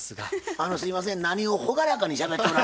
あのすいません何を朗らかにしゃべっておられるんですか？